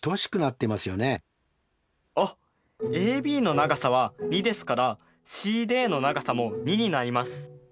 あっＡＢの長さは２ですからＣＤの長さも２になります。